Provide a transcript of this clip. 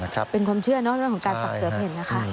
ครับเป็นความเชื่อน้อยของการศักดิ์เสื้อเพล็นนะคะ